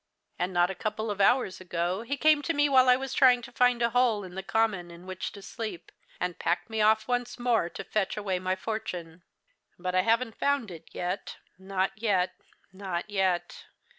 And not a couple of hours ago he came to me while I was trying to find a hole on the Common in which to sleep, and packed me off once more to fetch away my fortune. But I haven't found it yet not yet, not yet.